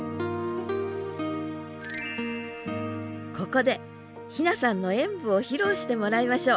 ここで妃那さんの演舞を披露してもらいましょう！